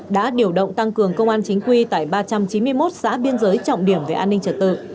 đã điều động tăng cường công an chính quy tại ba trăm chín mươi một xã biên giới trọng điểm về an ninh trật tự